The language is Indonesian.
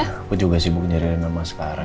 aku juga sibuk nyari renang masker